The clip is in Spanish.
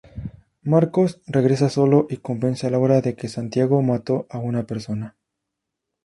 Marcos regresa solo y convence a Laura de que Santiago mató a una persona.